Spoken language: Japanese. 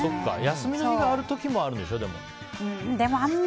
休みの日がある時もあるんでしょ？